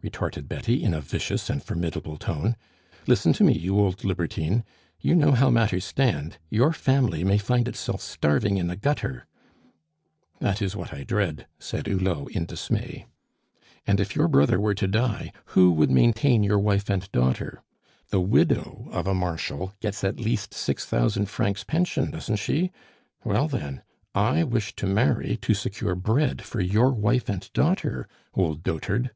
retorted Betty in a vicious and formidable tone. "Listen to me, you old libertine. You know how matters stand; your family may find itself starving in the gutter " "That is what I dread," said Hulot in dismay. "And if your brother were to die, who would maintain your wife and daughter? The widow of a Marshal gets at least six thousand francs pension, doesn't she? Well, then, I wish to marry to secure bread for your wife and daughter old dotard!"